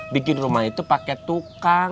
bikin rumah itu pakai tukang